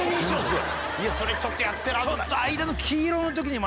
それちょっとやってらんない。